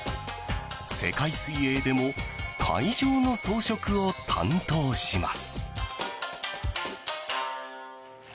世界水泳でも会場の装飾を担当します。